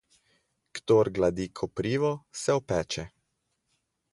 Kdor gladi koprivo, se opeče.